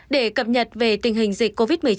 để cập nhật về tình hình dịch covid một mươi chín